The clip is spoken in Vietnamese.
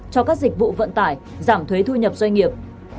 cho các dịch vụ vận tải giảm thuế thu nhập doanh nghiệp